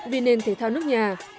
vì nền thể thao nước nhà